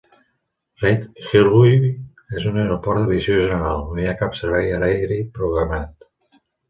Reid-Hillview és un aeroport d'aviació general; no hi ha cap servei aeri programat.